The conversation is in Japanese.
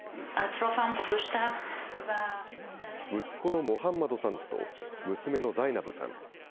息子のモハンマドさんと娘のザイナブさん。